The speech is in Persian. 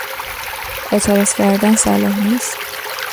اعتراض کردن صلاح نیست.